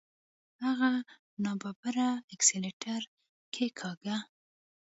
هغه ناببره اکسلېټر کېکاږه.